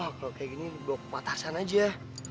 wah kalo kayak gini gue patah sana aja ya